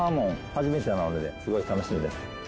初めてなのですごい楽しみです。